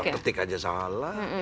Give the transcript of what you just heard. ketik aja salah